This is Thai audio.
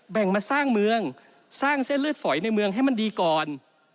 มาสร้างเมืองสร้างเส้นเลือดฝอยในเมืองให้มันดีก่อน